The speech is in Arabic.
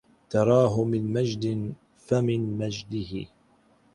تراهُ من مَجدٍ فَمِن مَجدِه